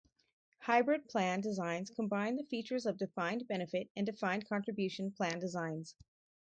Hybrid plan designs combine the features of defined benefit and defined contribution plan designs.